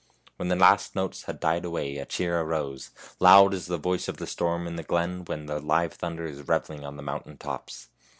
When the last notes had died away a cheer arose, loud as the voice of the storm in the glen when the live thunder is reveling on the mountain tops.